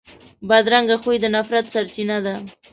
بدرنګه خوی د نفرت سرچینه ده